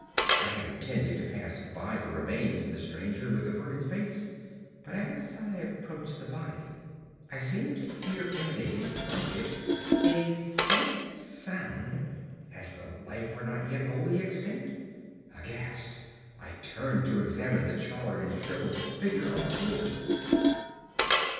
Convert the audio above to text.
I had intended to pass by the remains of the stranger with averted face, but as I approached the body, I seemed to hear emanating from it a faint sound, as though life were not yet wholly extinct. Aghast, I turned to examine the charred and shrivelled figure on the floor.